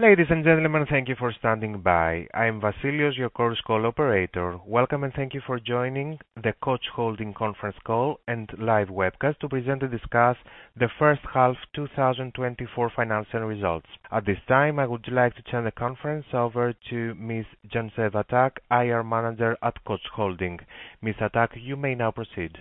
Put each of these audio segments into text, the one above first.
Ladies and gentlemen, thank you for standing by. I'm Vasilios, your Chorus Call Operator. Welcome and thank you for joining the Koç Holding Conference Call and live webcast to present and discuss the first half 2024 financial results. At this time, I would like to turn the conference over to Ms. Neslihan Sadıkoğlu, IR Manager at Koç Holding. Ms. Sebbe, you may now proceed.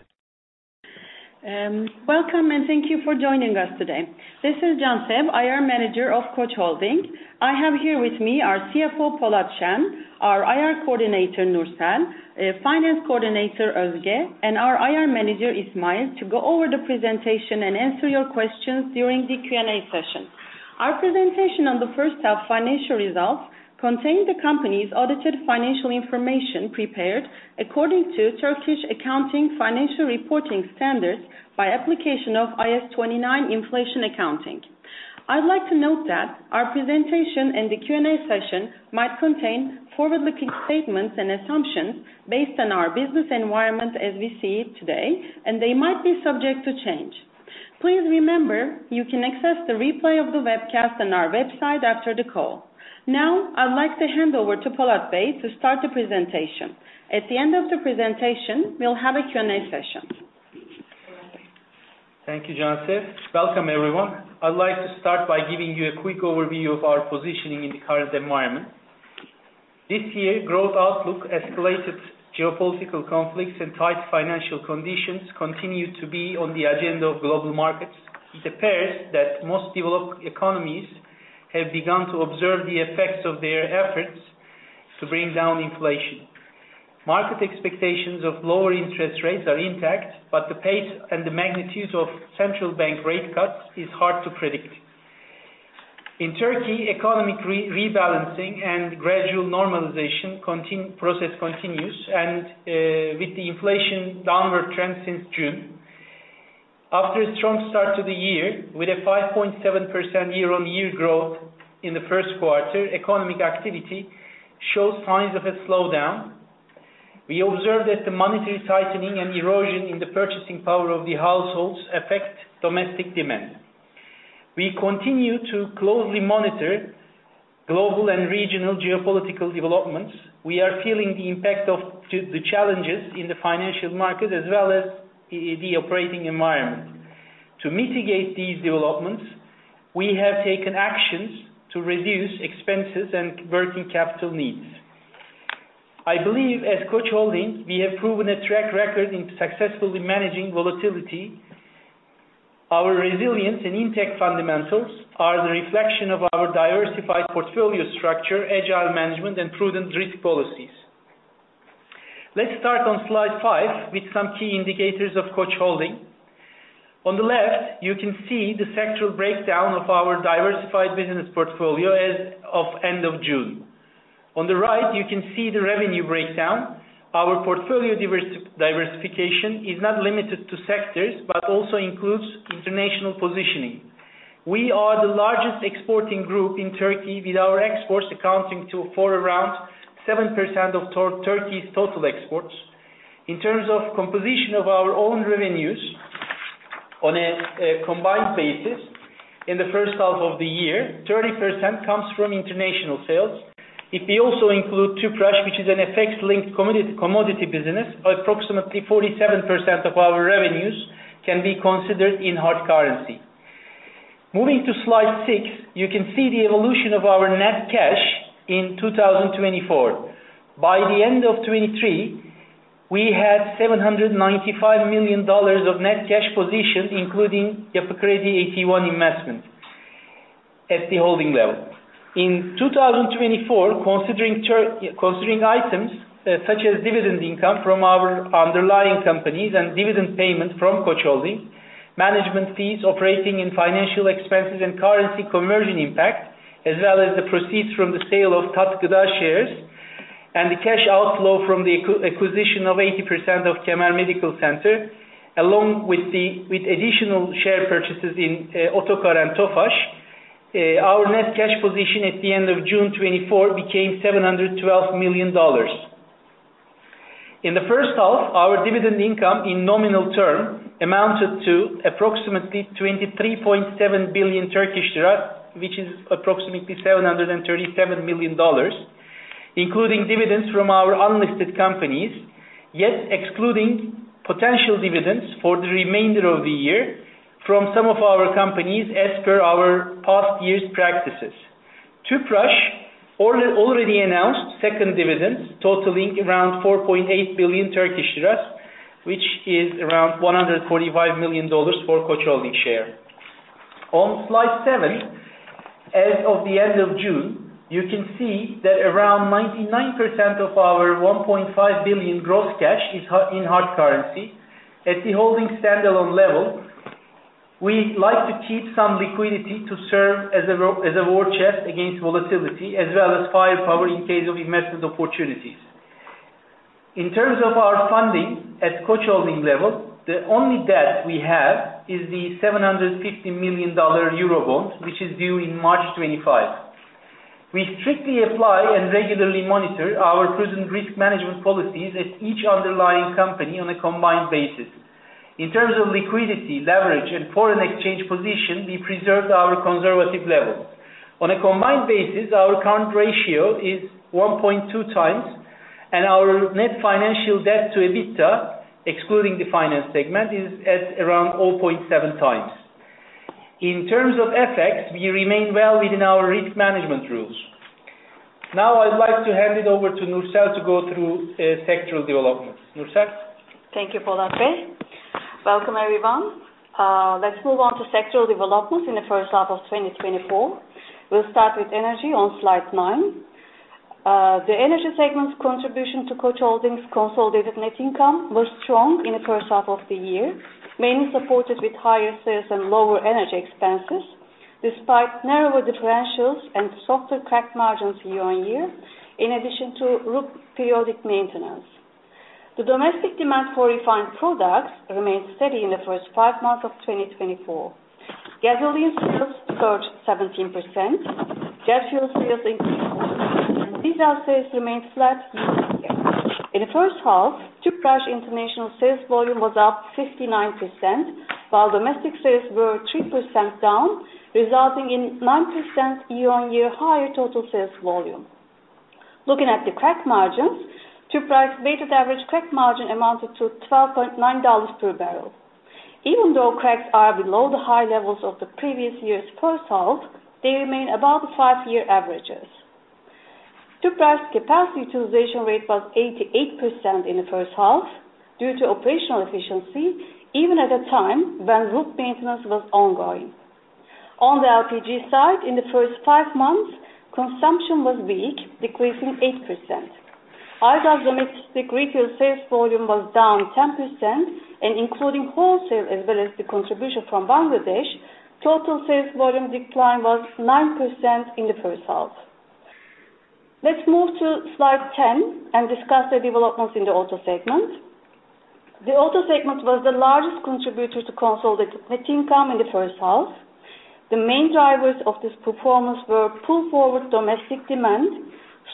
Welcome and thank you for joining us today. This is Neslihan Sadıkoğlu, IR Manager of Koç Holding. I have here with me our CFO, Polat Şen, our IR Coordinator, Nursel, Finance Coordinator, Özge, and our IR Manager, Ismail, to go over the presentation and answer your questions during the Q&A session. Our presentation on the first half financial results contains the company's audited financial information prepared according to Turkish accounting financial reporting standards by application of IAS 29 inflation accounting. I'd like to note that our presentation and the Q&A session might contain forward-looking statements and assumptions based on our business environment as we see it today, and they might be subject to change. Please remember, you can access the replay of the webcast on our website after the call. Now, I'd like to hand over to Polat Bey to start the presentation. At the end of the presentation, we'll have a Q&A session. Thank you, Neslihan Sadıkoğlu. Welcome, everyone. I'd like to start by giving you a quick overview of our positioning in the current environment. This year, growth outlook, escalated geopolitical conflicts, and tight financial conditions continue to be on the agenda of global markets. It appears that most developed economies have begun to observe the effects of their efforts to bring down inflation. Market expectations of lower interest rates are intact, but the pace and the magnitude of central bank rate cuts is hard to predict. In Turkey, economic rebalancing and gradual normalization process continues, and with the inflation downward trend since June, after a strong start to the year with a 5.7% year-on-year growth in the first quarter, economic activity shows signs of a slowdown. We observe that the monetary tightening and erosion in the purchasing power of the households affect domestic demand. We continue to closely monitor global and regional geopolitical developments. We are feeling the impact of the challenges in the financial market as well as the operating environment. To mitigate these developments, we have taken actions to reduce expenses and working capital needs. I believe, as Koç Holding, we have proven a track record in successfully managing volatility. Our resilience and intact fundamentals are the reflection of our diversified portfolio structure, agile management, and prudent risk policies. Let's start on slide five with some key indicators of Koç Holding. On the left, you can see the sectoral breakdown of our diversified business portfolio as of end of June. On the right, you can see the revenue breakdown. Our portfolio diversification is not limited to sectors but also includes international positioning. We are the largest exporting group in Turkey with our exports accounting for around 7% of Turkey's total exports. In terms of composition of our own revenues on a combined basis, in the first half of the year, 30% comes from international sales. If we also include Tüpraş, which is an FX-linked commodity business, approximately 47% of our revenues can be considered in hard currency. Moving to slide six, you can see the evolution of our net cash in 2024. By the end of 2023, we had $795 million of net cash position, including Yapı Kredi equity investment at the holding level. In 2024, considering items such as dividend income from our underlying companies and dividend payment from Koç Holding, management fees, operating and financial expenses, and currency conversion impact, as well as the proceeds from the sale of Tat Gıda shares and the cash outflow from the acquisition of 80% of Kemer Medical Center, along with additional share purchases in Otokar and Tofaş, our net cash position at the end of June 2024 became $712 million. In the first half, our dividend income in nominal term amounted to approximately TRY 23.7 billion, which is approximately $737 million, including dividends from our unlisted companies, yet excluding potential dividends for the remainder of the year from some of our companies as per our past year's practices. Tüpraş already announced second dividends totaling around 4.8 billion Turkish lira, which is around $145 million for Koç Holding share. On slide seven, as of the end of June, you can see that around 99% of our $1.5 billion gross cash is in hard currency at the holding standalone level. We like to keep some liquidity to serve as a war chest against volatility as well as firepower in case of investment opportunities. In terms of our funding at Koç Holding level, the only debt we have is the $750 million Eurobond, which is due in March 2025. We strictly apply and regularly monitor our prudent risk management policies at each underlying company on a combined basis. In terms of liquidity, leverage, and foreign exchange position, we preserved our conservative level. On a combined basis, our current ratio is 1.2 times, and our net financial debt to EBITDA, excluding the finance segment, is at around 0.7 times. In terms of FX, we remain well within our risk management rules. Now, I'd like to hand it over to Nursel to go through sectoral developments. Nursel. Thank you, Polat Bey. Welcome, everyone. Let's move on to sectoral developments in the first half of 2024. We'll start with energy on slide nine. The energy segment's contribution to Koç Holding's consolidated net income was strong in the first half of the year, mainly supported with higher sales and lower energy expenses, despite narrower differentials and softer crack margins year on year, in addition to periodic maintenance. The domestic demand for refined products remained steady in the first five months of 2024. Gasoline sales surged 17%. Gas fuel sales increased. Diesel sales remained flat year on year. In the first half, Tüpraş international sales volume was up 59%, while domestic sales were 3% down, resulting in a 9% year-on-year higher total sales volume. Looking at the crack margins, Tüpraş weighted average crack margin amounted to $12.9 per barrel. Even though cracks are below the high levels of the previous year's first half, they remain above the five-year averages. Tüpraş capacity utilization rate was 88% in the first half due to operational efficiency, even at a time when RUP maintenance was ongoing. On the LPG side, in the first five months, consumption was weak, decreasing 8%. Aygaz domestic retail sales volume was down 10%, and including wholesale as well as the contribution from Bangladesh, total sales volume decline was 9% in the first half. Let's move to slide 10 and discuss the developments in the auto segment. The auto segment was the largest contributor to consolidated net income in the first half. The main drivers of this performance were pull-forward domestic demand,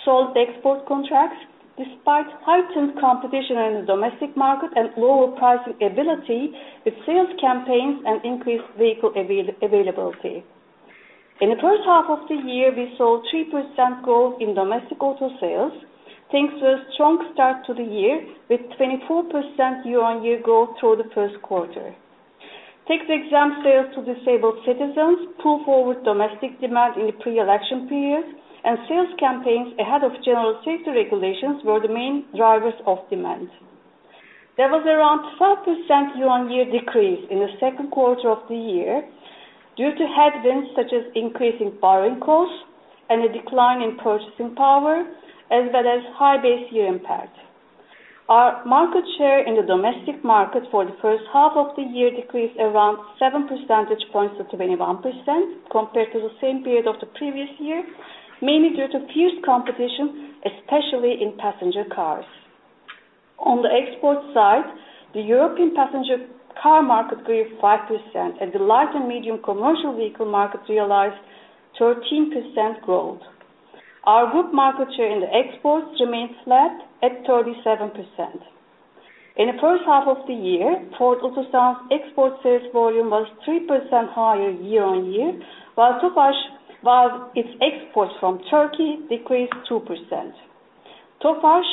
solid export contracts, despite heightened competition in the domestic market and lower pricing ability with sales campaigns and increased vehicle availability. In the first half of the year, we saw a 3% growth in domestic auto sales, thanks to a strong start to the year with a 24% year-on-year growth through the first quarter. Taxi exam sales to disabled citizens, pull-forward domestic demand in the pre-election period, and sales campaigns ahead of general sector regulations were the main drivers of demand. There was around a 5% year-on-year decrease in the second quarter of the year due to headwinds such as increasing borrowing costs and a decline in purchasing power, as well as high base year impact. Our market share in the domestic market for the first half of the year decreased around 7 percentage points to 21% compared to the same period of the previous year, mainly due to fierce competition, especially in passenger cars. On the export side, the European passenger car market grew 5%, and the light and medium commercial vehicle market realized 13% growth. Our group market share in the exports remained flat at 37%. In the first half of the year, Ford Otosan's export sales volume was 3% higher year on year, while Tofaş's exports from Turkey decreased 2%. Tofaş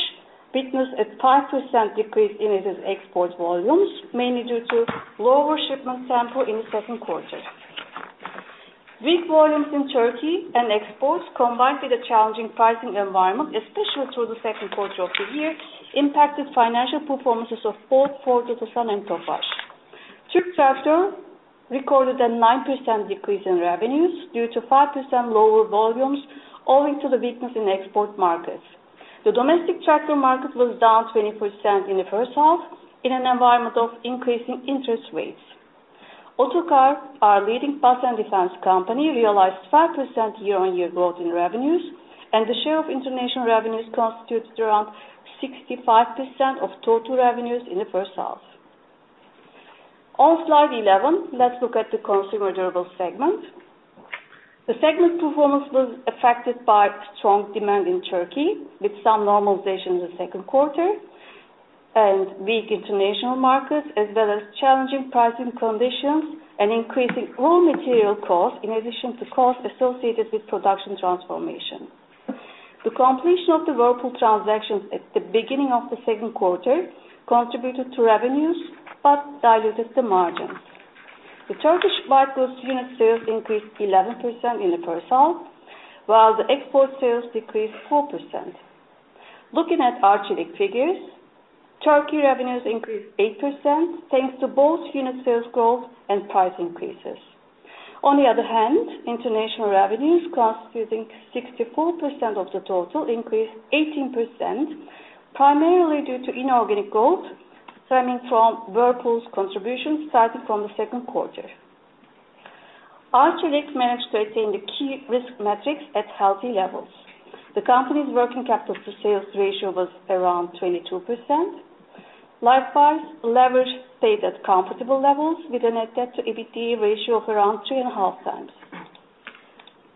witnessed a 5% decrease in its export volumes, mainly due to lower shipment tempo in the second quarter. Big volumes in Turkey and exports, combined with a challenging pricing environment, especially through the second quarter of the year, impacted financial performances of both Ford Otosan and Tofaş. TürkTraktör recorded a 9% decrease in revenues due to 5% lower volumes, owing to the weakness in export markets. The domestic tractor market was down 20% in the first half in an environment of increasing interest rates. Otokar, our leading automotive and defense company, realized 5% year-on-year growth in revenues, and the share of international revenues constituted around 65% of total revenues in the first half. On slide 11, let's look at the consumer durable segment. The segment performance was affected by strong demand in Turkey with some normalization in the second quarter and weak international markets, as well as challenging pricing conditions and increasing raw material costs in addition to costs associated with production transformation. The completion of the Whirlpool transactions at the beginning of the second quarter contributed to revenues but diluted the margins. The Turkish white goods unit sales increased 11% in the first half, while the export sales decreased 4%. Looking at Arçelik figures, Turkey revenues increased 8% thanks to both unit sales growth and price increases. On the other hand, international revenues constituting 64% of the total increased 18%, primarily due to inorganic growth stemming from Whirlpool's contributions starting from the second quarter. Arçelik managed to attain the key risk metrics at healthy levels. The company's working capital to sales ratio was around 22%. Likewise, leverage stayed at comfortable levels with a net debt to EBITDA ratio of around three and a half times.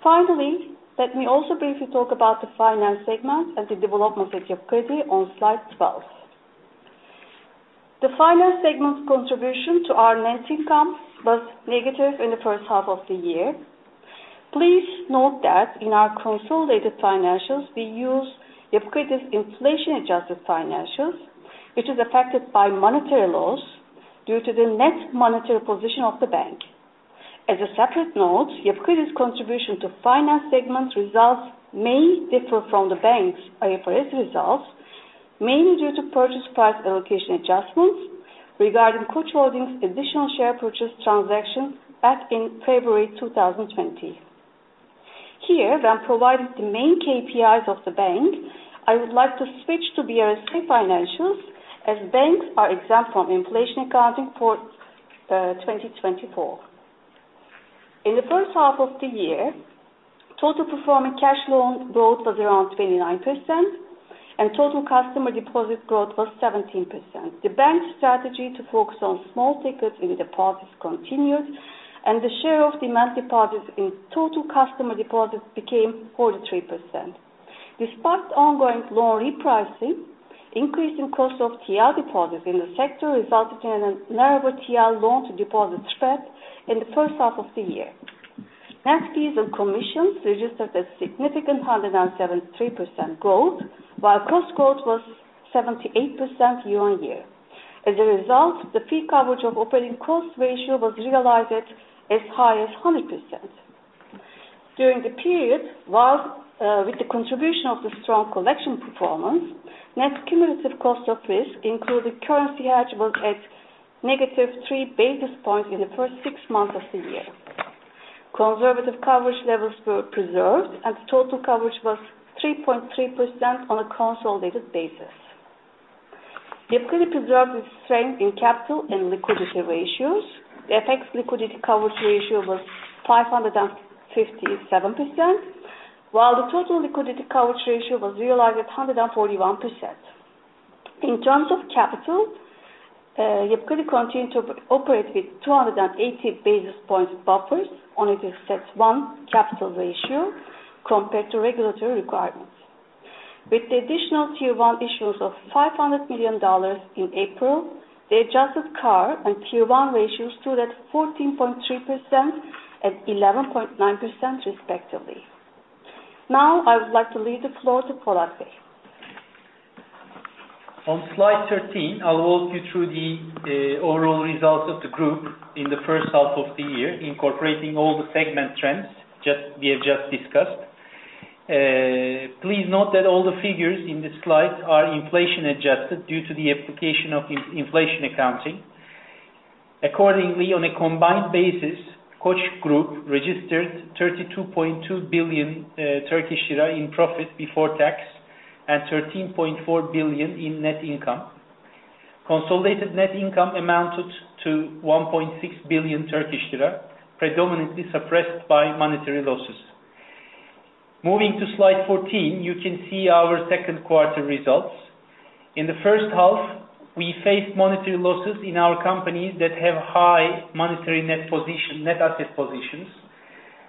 Finally, let me also briefly talk about the finance segment and the development of Yapı Kredi on slide 12. The finance segment contribution to our net income was negative in the first half of the year. Please note that in our consolidated financials, we use Yapı Kredi's inflation-adjusted financials, which is affected by monetary loss due to the net monetary position of the bank. As a separate note, Yapı Kredi's contribution to finance segment results may differ from the bank's IFRS results, mainly due to purchase price allocation adjustments regarding Koç Holding's additional share purchase transactions back in February 2020. Here, when provided the main KPIs of the bank, I would like to switch to BRSA financials as banks are exempt from inflation accounting for 2024. In the first half of the year, total performing cash loan growth was around 29%, and total customer deposit growth was 17%. The bank's strategy to focus on small tickets in deposits continued, and the share of demand deposits in total customer deposits became 43%. Despite ongoing loan repricing, increasing cost of TL deposits in the sector resulted in a narrower TL loan-to-deposit spread in the first half of the year. Net fees and commissions registered a significant 173% growth, while cost growth was 78% year on year. As a result, the fee coverage of operating cost ratio was realized as high as 100%. During the period, while with the contribution of the strong collection performance, net cumulative cost of risk, including currency hedge, was at negative three basis points in the first six months of the year. Conservative coverage levels were preserved, and total coverage was 3.3% on a consolidated basis. Yapı Kredi preserved its strength in capital and liquidity ratios. The FX liquidity coverage ratio was 557%, while the total liquidity coverage ratio was realized at 141%. In terms of capital, Yapı Kredi continued to operate with 280 basis points buffers on its Tier 1 capital ratio compared to regulatory requirements. With the additional tier one issuance of $500 million in April, the adjusted CAR and Tier 1 ratios stood at 14.3% and 11.9%, respectively. Now, I would like to leave the floor to Polat Bey. On slide 13, I'll walk you through the overall results of the group in the first half of the year, incorporating all the segment trends we have just discussed. Please note that all the figures in this slide are inflation-adjusted due to the application of inflation accounting. Accordingly, on a combined basis, Koç Group registered 32.2 billion Turkish lira in profit before tax and 13.4 billion in net income. Consolidated net income amounted to 1.6 billion Turkish lira, predominantly suppressed by monetary losses. Moving to slide 14, you can see our second quarter results. In the first half, we faced monetary losses in our companies that have high monetary net asset positions,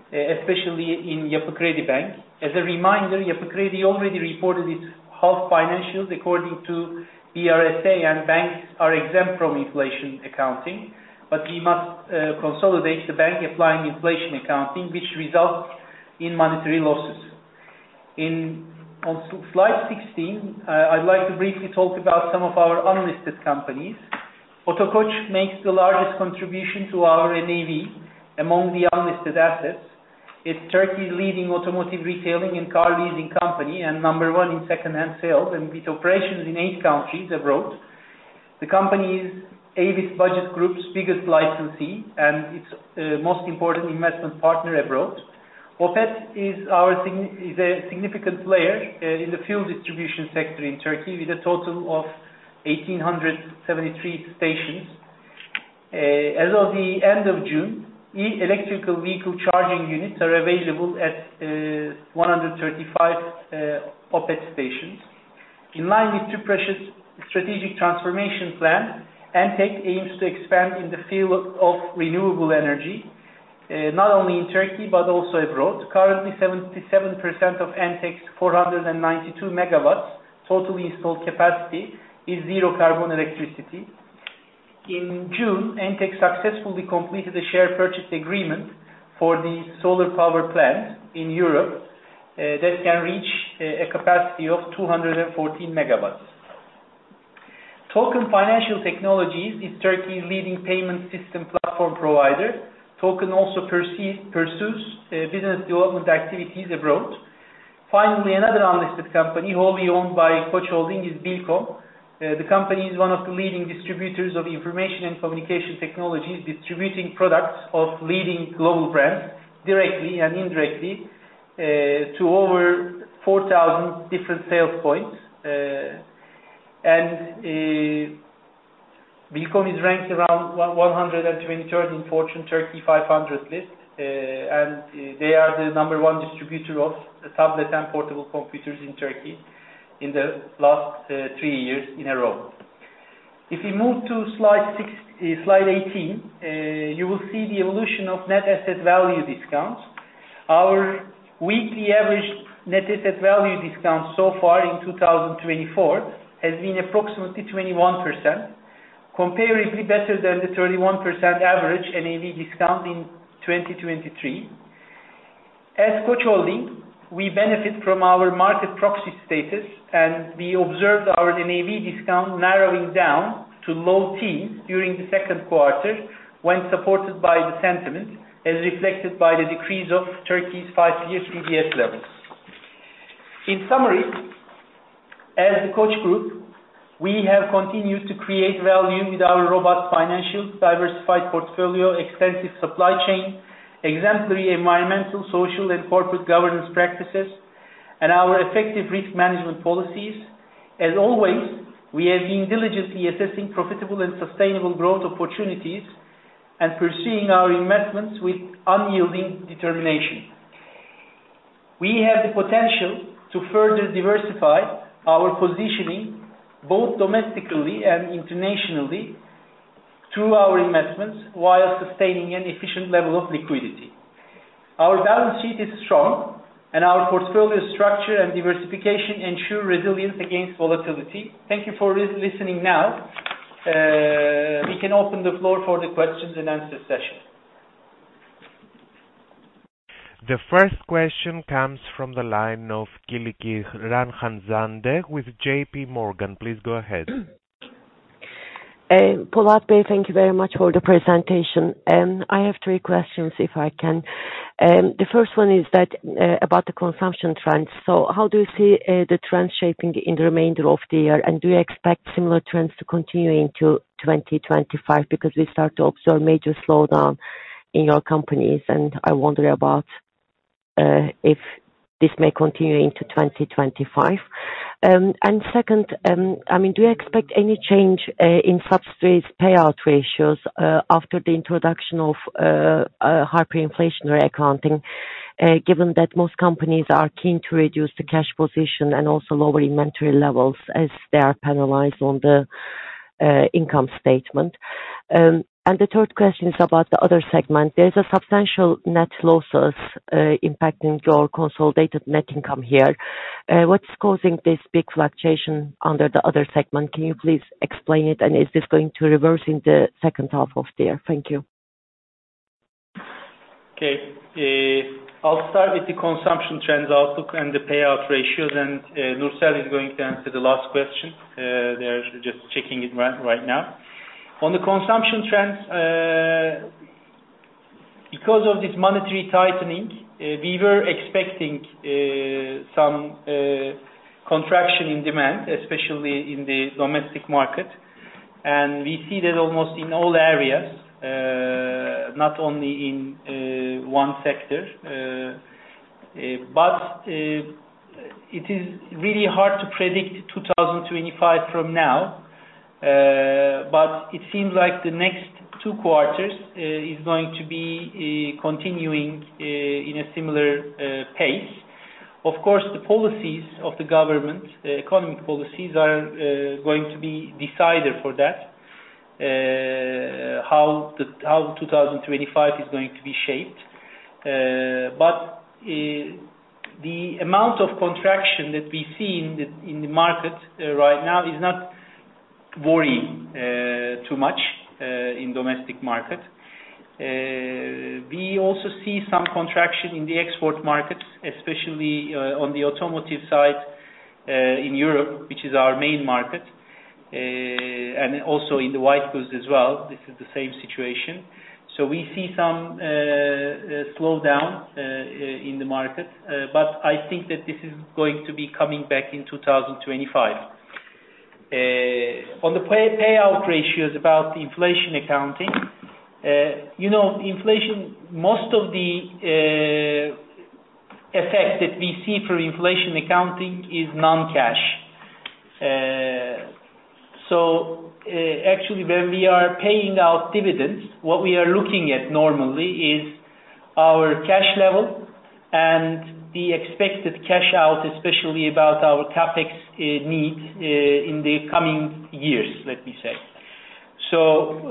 especially in Yapı Kredi Bank. As a reminder, Yapı Kredi already reported its half financials according to BRSA, and banks are exempt from inflation accounting, but we must consolidate the bank applying inflation accounting, which results in monetary losses. On slide 16, I'd like to briefly talk about some of our unlisted companies. Otokoç makes the largest contribution to our NAV among the unlisted assets. It's Turkey's leading automotive retailing and car leasing company and number one in second-hand sales, and with operations in eight countries abroad. The company is Avis Budget Group's biggest licensee and its most important investment partner abroad. Opet is a significant player in the fuel distribution sector in Turkey with a total of 1,873 stations. As of the end of June, electric vehicle charging units are available at 135 Opet stations. In line with Tüpraş's strategic transformation plan, Entek aims to expand in the field of renewable energy, not only in Turkey but also abroad. Currently, 77% of Entek's 492 megawatts total installed capacity is zero-carbon electricity. In June, Entek successfully completed a share purchase agreement for the solar power plant in Europe that can reach a capacity of 214 megawatts. Token Financial Technologies is Turkey's leading payment system platform provider. Token also pursues business development activities abroad. Finally, another unlisted company wholly owned by Koç Holding is Bilkom. The company is one of the leading distributors of information and communication technologies, distributing products of leading global brands directly and indirectly to over 4,000 different sales points. And Bilkom is ranked around 123rd in Fortune 500 Turkey list, and they are the number one distributor of tablet and portable computers in Turkey in the last three years in a row. If we move to slide 18, you will see the evolution of net asset value discounts. Our weekly average net asset value discount so far in 2024 has been approximately 21%, comparatively better than the 31% average NAV discount in 2023. As Koç Holding, we benefit from our market proxy status, and we observed our NAV discount narrowing down to low teens during the second quarter when supported by the sentiment, as reflected by the decrease of Turkey's five-year CDS levels. In summary, as the Koç Group, we have continued to create value with our robust financial, diversified portfolio, extensive supply chain, exemplary environmental, social, and corporate governance practices, and our effective risk management policies. As always, we have been diligently assessing profitable and sustainable growth opportunities and pursuing our investments with unyielding determination. We have the potential to further diversify our positioning both domestically and internationally through our investments while sustaining an efficient level of liquidity. Our balance sheet is strong, and our portfolio structure and diversification ensure resilience against volatility. Thank you for listening now. We can open the floor for the questions and answers session. The first question comes from the line of Gülce Arhan with J.P. Morgan. Please go ahead. Polat Bey, thank you very much for the presentation. I have three questions, if I can. The first one is about the consumption trends. So how do you see the trend shaping in the remainder of the year, and do you expect similar trends to continue into 2025? Because we start to observe major slowdown in your companies, and I wonder about if this may continue into 2025. And second, I mean, do you expect any change in subsidiaries' payout ratios after the introduction of hyperinflationary accounting, given that most companies are keen to reduce the cash position and also lower inventory levels as they are penalized on the income statement? And the third question is about the other segment. There's a substantial net losses impacting your consolidated net income here. What's causing this big fluctuation under the other segment? Can you please explain it, and is this going to reverse in the second half of the year? Thank you. Okay. I'll start with the consumption trends outlook and the payout ratios, and Nursel is going to answer the last question. They're just checking it right now. On the consumption trends, because of this monetary tightening, we were expecting some contraction in demand, especially in the domestic market, and we see that almost in all areas, not only in one sector, but it is really hard to predict 2025 from now, but it seems like the next two quarters is going to be continuing in a similar pace. Of course, the policies of the government, economic policies, are going to be decided for that, how 2025 is going to be shaped, but the amount of contraction that we see in the market right now is not worrying too much in the domestic market. We also see some contraction in the export markets, especially on the automotive side in Europe, which is our main market, and also in the white goods as well. This is the same situation. So we see some slowdown in the market, but I think that this is going to be coming back in 2025. On the payout ratios about inflation accounting, most of the effect that we see for inflation accounting is non-cash. So actually, when we are paying out dividends, what we are looking at normally is our cash level and the expected cash out, especially about our CapEx needs in the coming years, let me say. So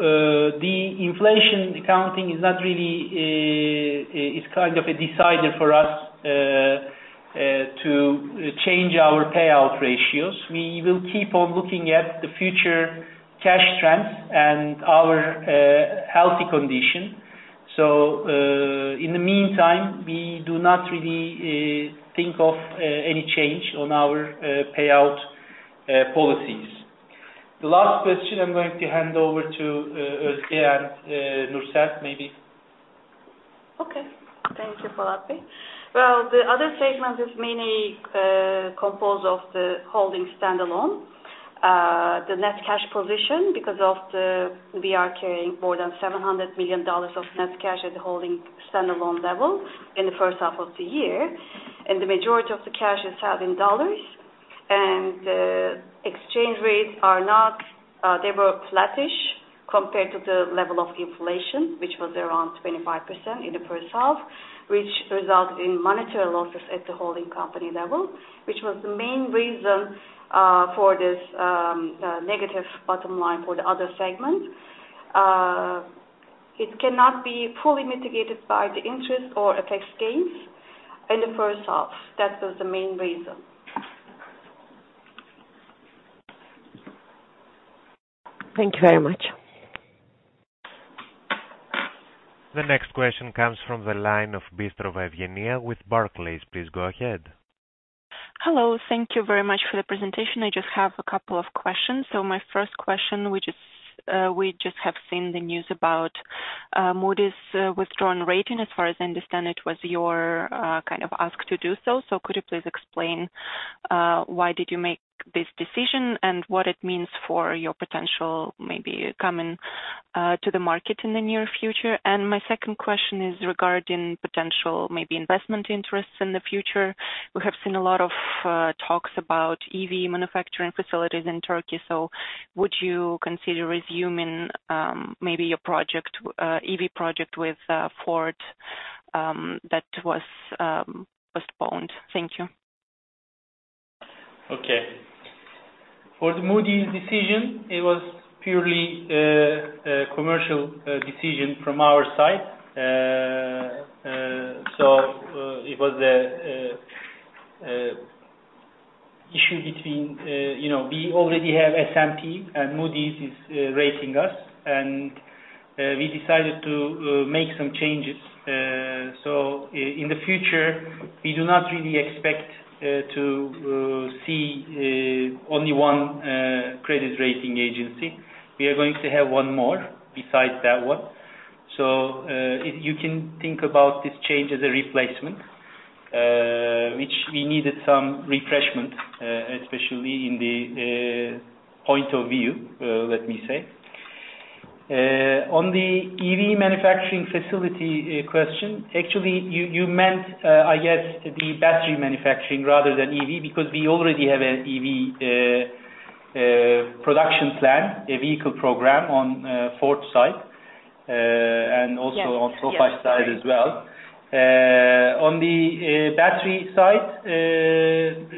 the inflation accounting is not really kind of a decider for us to change our payout ratios. We will keep on looking at the future cash trends and our healthy condition. So in the meantime, we do not really think of any change on our payout policies. The last question, I'm going to hand over to Özge and Nursel maybe. Okay. Thank you, Polat Şen Bey. Well, the other segment is mainly composed of the holding standalone, the net cash position, because we are carrying more than $700 million of net cash at the holding standalone level in the first half of the year. And the majority of the cash is held in dollars, and exchange rates are not; they were flattish compared to the level of inflation, which was around 25% in the first half, which resulted in monetary losses at the holding company level, which was the main reason for this negative bottom line for the other segment. It cannot be fully mitigated by the interest or FX gains in the first half. That was the main reason. Thank you very much. The next question comes from the line of Evgenia Bistrova with Barclays. Please go ahead. Hello. Thank you very much for the presentation. I just have a couple of questions. So my first question, we just have seen the news about Moody's withdrawn rating. As far as I understand, it was your kind of ask to do so. So could you please explain why did you make this decision and what it means for your potential maybe coming to the market in the near future? And my second question is regarding potential maybe investment interests in the future. We have seen a lot of talks about EV manufacturing facilities in Turkey. So would you consider resuming maybe your project, EV project with Ford that was postponed? Thank you. Okay. For the Moody's decision, it was purely a commercial decision from our side. So it was an issue between we already have S&P, and Moody's is rating us, and we decided to make some changes. So in the future, we do not really expect to see only one credit rating agency. We are going to have one more besides that one. So you can think about this change as a replacement, which we needed some refreshment, especially in the point of view, let me say. On the EV manufacturing facility question, actually, you meant, I guess, the battery manufacturing rather than EV because we already have an EV production plan, a vehicle program on Ford side and also on Tofaş side as well. On the battery side,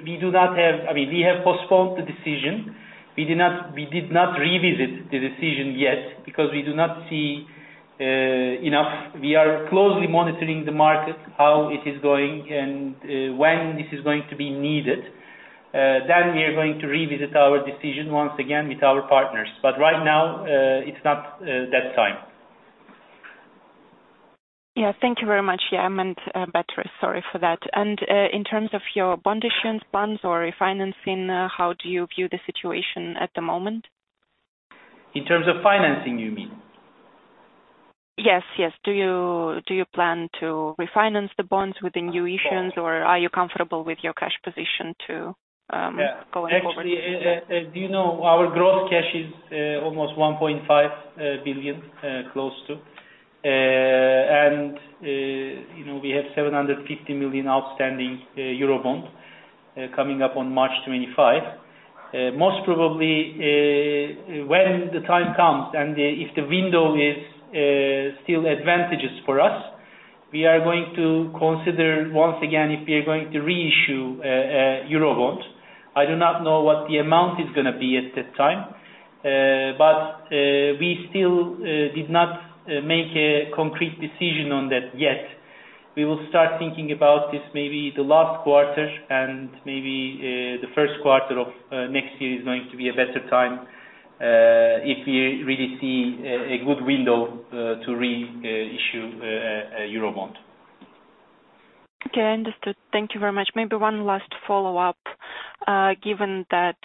we do not have I mean, we have postponed the decision. We did not revisit the decision yet because we do not see enough. We are closely monitoring the market, how it is going, and when this is going to be needed. Then we are going to revisit our decision once again with our partners. But right now, it's not that time. Yeah. Thank you very much, Evgenia Bistrova. Sorry for that. And in terms of your bond issuance, bonds or refinancing, how do you view the situation at the moment? In terms of financing, you mean? Yes, yes. Do you plan to refinance the bonds with the new issuance, or are you comfortable with your cash position to going forward? Yeah. Actually, as you know, our gross cash is almost 1.5 billion close to, and we have 750 million outstanding Eurobonds coming up on March 25. Most probably, when the time comes and if the window is still advantageous for us, we are going to consider once again if we are going to reissue a Eurobond. I do not know what the amount is going to be at that time, but we still did not make a concrete decision on that yet. We will start thinking about this maybe the last quarter, and maybe the first quarter of next year is going to be a better time if we really see a good window to reissue a Eurobond. Okay. I understood. Thank you very much. Maybe one last follow-up. Given that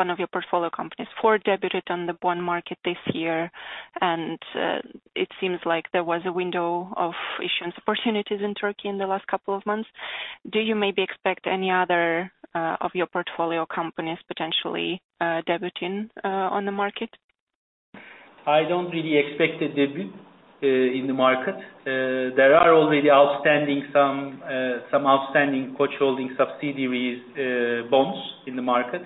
one of your portfolio companies, Ford, debuted on the bond market this year, and it seems like there was a window of issuance opportunities in Turkey in the last couple of months, do you maybe expect any other of your portfolio companies potentially debuting on the market? I don't really expect a debut in the market. There are already some outstanding Koç Holding subsidiaries' bonds in the market,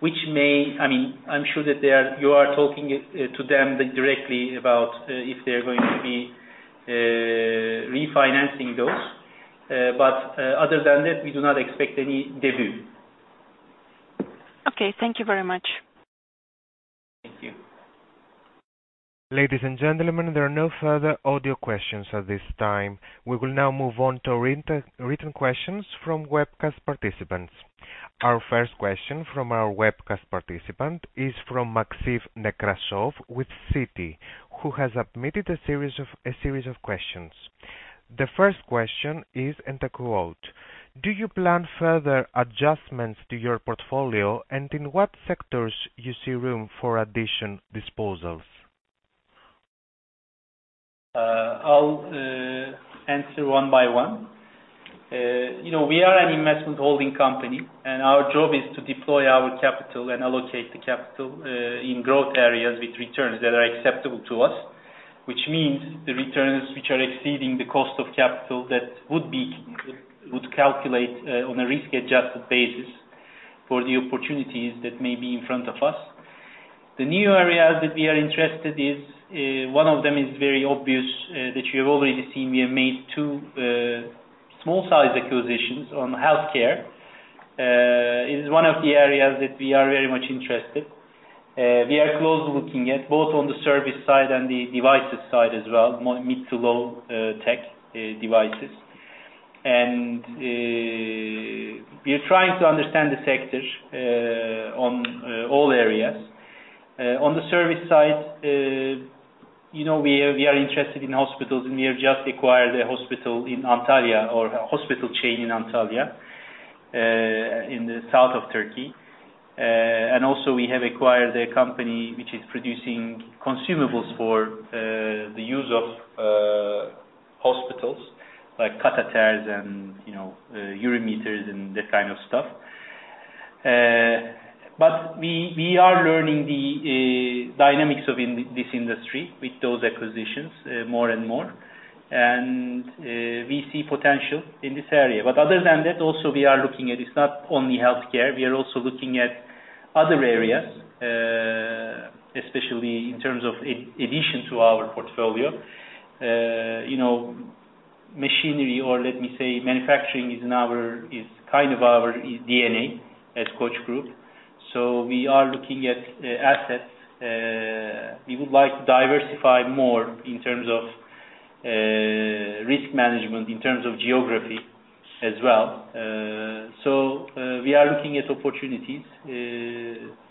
which, I mean, I'm sure that you are talking to them directly about if they're going to be refinancing those. But other than that, we do not expect any debut. Okay. Thank you very much. Thank you. Ladies and gentlemen, there are no further audio questions at this time. We will now move on to written questions from webcast participants. Our first question from our webcast participant is from Maxim Nekrasov with Citi, who has submitted a series of questions. The first question is, and I quote, "Do you plan further adjustments to your portfolio, and in what sectors do you see room for additional disposals? I'll answer one by one. We are an investment holding company, and our job is to deploy our capital and allocate the capital in growth areas with returns that are acceptable to us, which means the returns which are exceeding the cost of capital that would be calculated on a risk-adjusted basis for the opportunities that may be in front of us. The new areas that we are interested in, one of them is very obvious that you have already seen. We have made two small-sized acquisitions on healthcare. It is one of the areas that we are very much interested. We are closely looking at both on the service side and the devices side as well, mid to low-tech devices, and we are trying to understand the sector on all areas. On the service side, we are interested in hospitals, and we have just acquired a hospital in Antalya or a hospital chain in Antalya in the south of Turkey, and also we have acquired a company which is producing consumables for the use of hospitals like catheters and urimeters and that kind of stuff. But we are learning the dynamics of this industry with those acquisitions more and more, and we see potential in this area, but other than that, also we are looking at it's not only healthcare. We are also looking at other areas, especially in terms of addition to our portfolio. Machinery or, let me say, manufacturing is kind of our DNA as Koç Group, so we are looking at assets. We would like to diversify more in terms of risk management, in terms of geography as well, so we are looking at opportunities.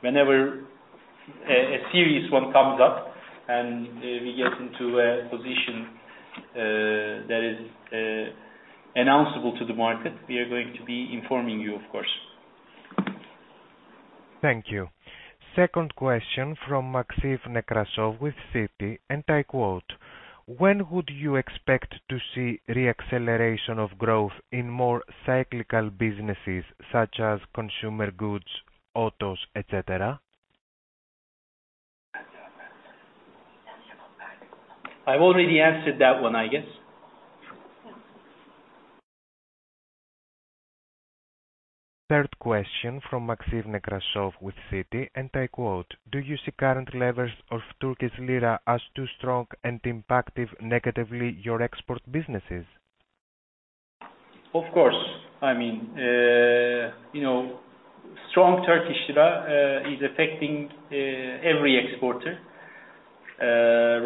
Whenever a serious one comes up and we get into a position that is announceable to the market, we are going to be informing you, of course. Thank you. Second question from Maxim Nekrasov with Citi, and I quote, "When would you expect to see reacceleration of growth in more cyclical businesses such as consumer goods, autos, etc.? I've already answered that one, I guess. Third question from Maxim Nekrasov with Citi, and I quote, "Do you see current levels of Turkish lira as too strong and impacting negatively your export businesses? Of course. I mean, strong Turkish lira is affecting every exporter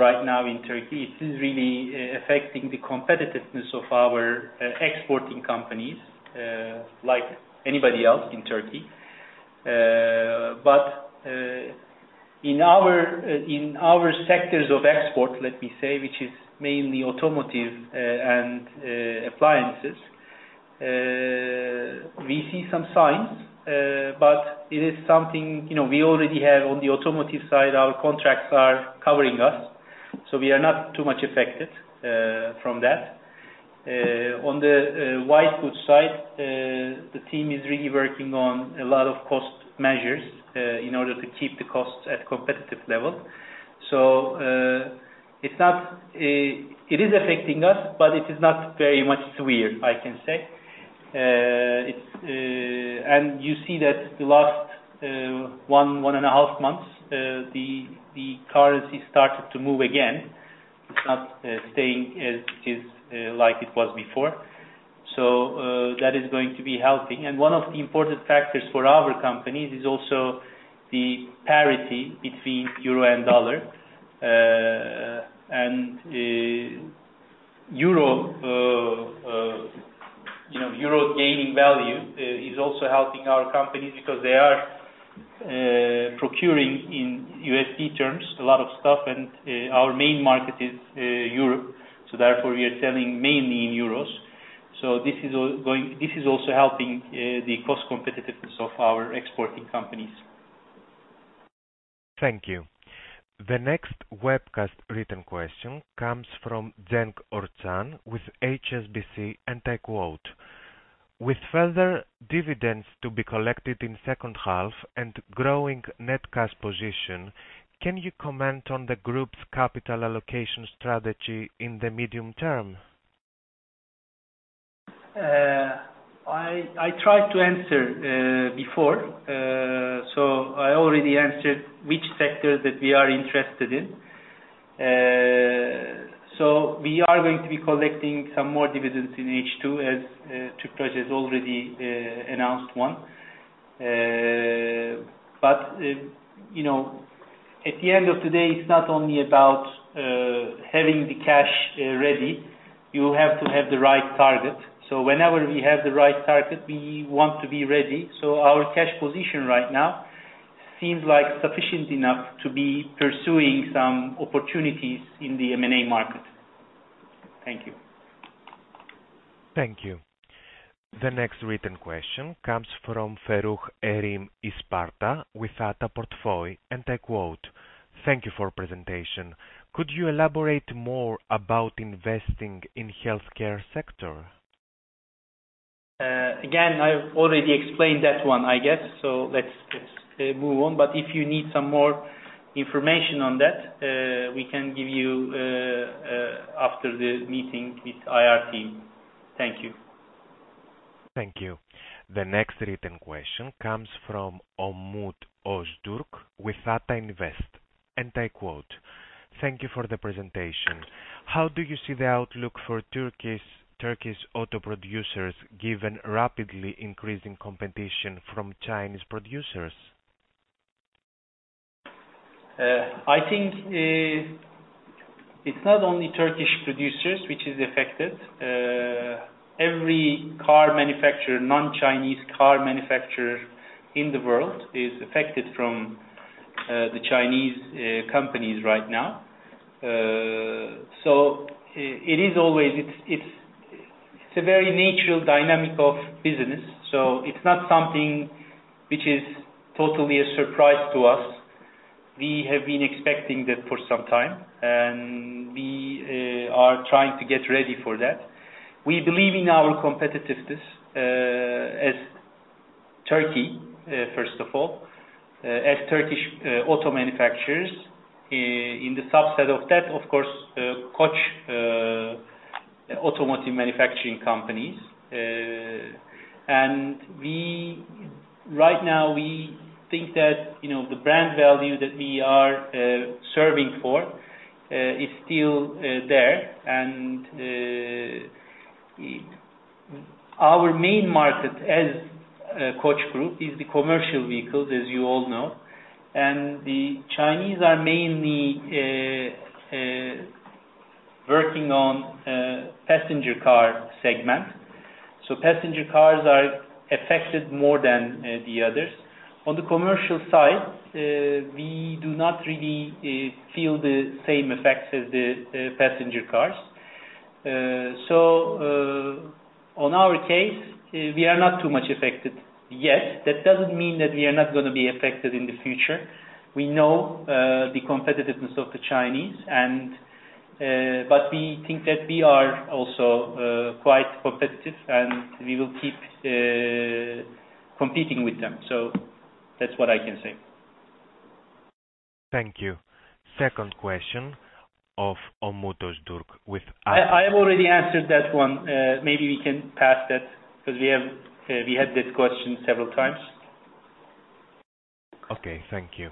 right now in Turkey. It is really affecting the competitiveness of our exporting companies like anybody else in Turkey, but in our sectors of export, let me say, which is mainly automotive and appliances, we see some signs, but it is something we already have on the automotive side. Our contracts are covering us, so we are not too much affected from that. On the white goods side, the team is really working on a lot of cost measures in order to keep the costs at a competitive level, so it is affecting us, but it is not very much severe, I can say, and you see that the last one and a half months, the currency started to move again. It's not staying as it is like it was before, so that is going to be helping. And one of the important factors for our companies is also the parity between euro and dollar. And euro gaining value is also helping our companies because they are procuring in USD terms a lot of stuff, and our main market is Europe. So therefore, we are selling mainly in euros. So this is also helping the cost competitiveness of our exporting companies. Thank you. The next webcast written question comes from Cenk Orçan with HSBC, and I quote, "With further dividends to be collected in the second half and growing net cash position, can you comment on the group's capital allocation strategy in the medium term? I tried to answer before, so I already answered which sectors that we are interested in. So we are going to be collecting some more dividends in H2, as Tüpraş has already announced one. But at the end of the day, it's not only about having the cash ready. You have to have the right target. So whenever we have the right target, we want to be ready. So our cash position right now seems like sufficient enough to be pursuing some opportunities in the M&A market. Thank you. Thank you. The next written question comes from Ferruh Erim at Ata Portföy, and I quote, "Thank you for the presentation. Could you elaborate more about investing in the healthcare sector? Again, I've already explained that one, I guess, so let's move on. But if you need some more information on that, we can give you after the meeting with IR team. Thank you. Thank you. The next written question comes from Umut Öztürk with Ata Invest, and I quote, "Thank you for the presentation. How do you see the outlook for Turkish auto producers given rapidly increasing competition from Chinese producers? I think it's not only Turkish producers which are affected. Every car manufacturer, non-Chinese car manufacturer in the world, is affected from the Chinese companies right now. So it is always it's a very natural dynamic of business, so it's not something which is totally a surprise to us. We have been expecting that for some time, and we are trying to get ready for that. We believe in our competitiveness as Turkey, first of all, as Turkish auto manufacturers. In the subset of that, of course, Koç automotive manufacturing companies. And right now, we think that the brand value that we are serving for is still there. And our main market as Koç Group is the commercial vehicles, as you all know. And the Chinese are mainly working on the passenger car segment. So passenger cars are affected more than the others. On the commercial side, we do not really feel the same effects as the passenger cars. So on our case, we are not too much affected yet. That doesn't mean that we are not going to be affected in the future. We know the competitiveness of the Chinese, but we think that we are also quite competitive, and we will keep competing with them. So that's what I can say. Thank you. Second question of Umut Öztürk with ATA... I have already answered that one. Maybe we can pass that because we had that question several times. Okay. Thank you.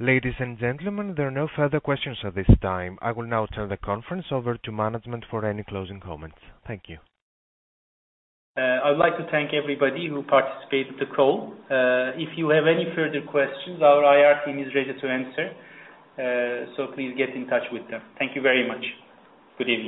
Ladies and gentlemen, there are no further questions at this time. I will now turn the conference over to management for any closing comments. Thank you. I would like to thank everybody who participated in the call. If you have any further questions, our IR team is ready to answer, so please get in touch with them. Thank you very much. Good evening.